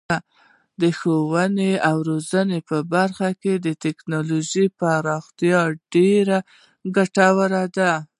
د ښوونې او روزنې په برخه کې د تکنالوژۍ پراختیا ډیره ګټوره ده.